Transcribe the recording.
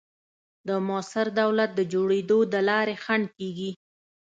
د موثر دولت د جوړېدو د لارې خنډ کېږي.